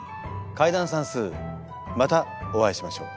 解談算数またお会いしましょう。